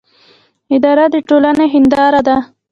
اداره د ټولنې هنداره ده